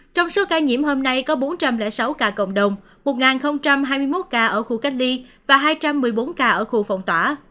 trong số ca nhiễm hôm nay có bốn trăm linh sáu ca cộng đồng một hai mươi một ca ở khu cách ly và hai trăm một mươi bốn ca ở khu phòng tỏa